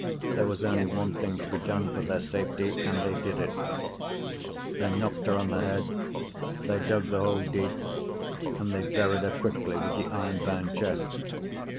There was only one thing to be done for their safety, and they did it. They knocked her on the head, they dug the hole deep, and they buried her quickly with the iron bound chest.